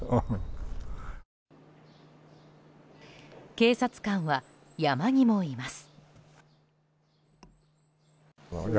警察官は山にもいます。